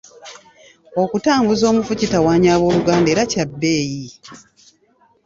Okutambuza omufu kitawaanya abooluganda era kya bbeeyi.